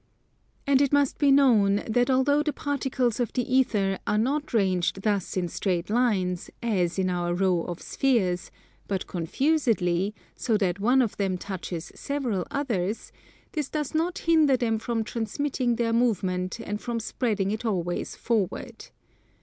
And it must be known that although the particles of the ether are not ranged thus in straight lines, as in our row of spheres, but confusedly, so that one of them touches several others, this does not hinder them from transmitting their movement and from spreading it always forward.